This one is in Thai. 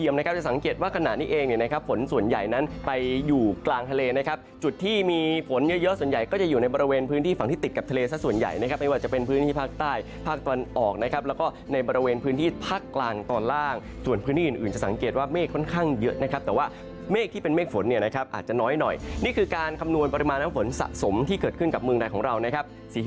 เยอะส่วนใหญ่ก็จะอยู่ในบริเวณพื้นที่ฝั่งที่ติดกับทะเลซะส่วนใหญ่นะครับไม่ว่าจะเป็นพื้นที่ภาคใต้ภาคตอนออกนะครับแล้วก็ในบริเวณพื้นที่ภาคกลางตอนล่างส่วนพื้นที่อื่นจะสังเกตว่าเมฆค่อนข้างเยอะนะครับแต่ว่าเมฆที่เป็นเมฆฝนเนี่ยนะครับอาจจะน้อยหน่อยนี่คือการคำนวณปริมาณน้ำ